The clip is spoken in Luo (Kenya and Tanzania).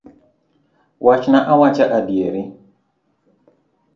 Wachna awacha adieri.